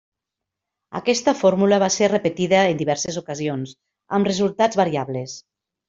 Aquesta fórmula va ser repetida en diverses ocasions, amb resultats variables.